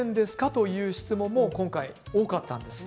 という質問も今回、多かったんです。